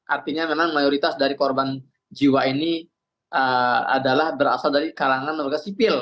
artinya memang mayoritas dari korban jiwa ini adalah berasal dari kalangan warga sipil